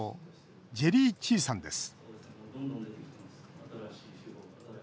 ジェリー・チーさんです。